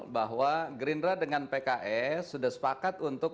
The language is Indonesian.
bahwa gerindra dengan pks sudah sepakat untuk